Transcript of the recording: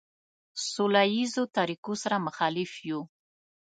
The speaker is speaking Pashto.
سوله ایزو طریقو سره مخالف یو.